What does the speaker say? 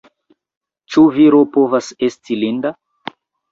Ĉu viro povas esti linda?